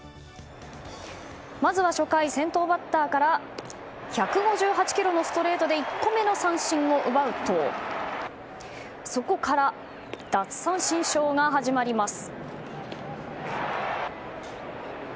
まずは初回、先頭バッターから１５８キロのストレートで１個目の三振を奪うとそこから奪三振ショーが始まります。